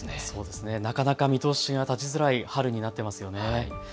そうですね、なかなか見通しが立ちづらい春になってますよね。